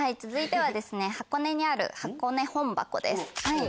続いては箱根にある箱根本箱です。